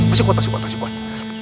masih kuat masih kuat masih kuat